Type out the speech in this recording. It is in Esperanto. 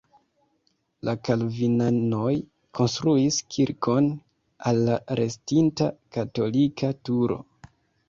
La kalvinanoj konstruis kirkon al la restinta katolika turo.